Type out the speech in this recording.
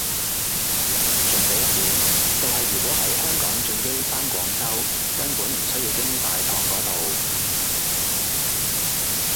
仲有一點就係如果喺香港轉機返廣州根本唔需要經大堂嗰度